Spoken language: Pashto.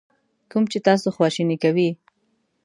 کوم چې تاسو خواشینی کوي.